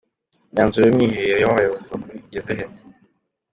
Imyanzuro y’umwiherero w’abayobozi bakuru igeze he?.